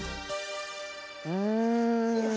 うん。